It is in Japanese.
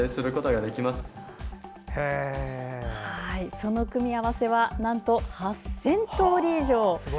その組み合わせはなんと８０００通り以上。